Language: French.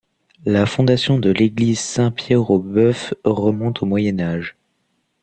La fondation de l'église Saint-Pierre-aux-Bœufs remonte au Moyen Âge.